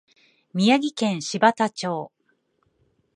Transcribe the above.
宮城県柴田町